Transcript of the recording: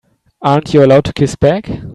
Aren't you allowed to kiss back?